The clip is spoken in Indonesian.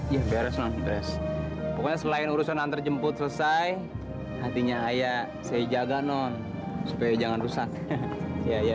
ya beres beres selain urusan antarjemput selesai hatinya saya jaga non supaya jangan rusak ya ya